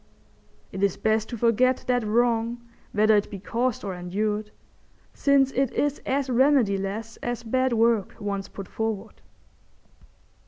It is best to forget that wrong whether it be caused or endured, since it is as remediless as bad work once put forward.